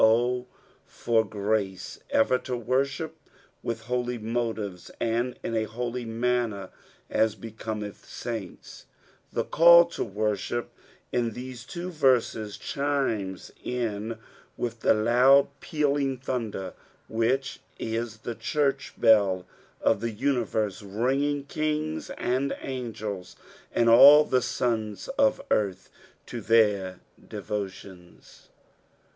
O for grace ever to worship with holy motives and in a ho)^ manuer, as becometh saints I The call to worship in these two verses chimes in with the loud pealing tliunder, which is the churcn bell of the universe ringing kings and angels, and all the sons of earth to their devotions.